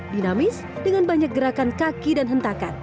dinamis dengan banyak gerakan kaki dan hentakan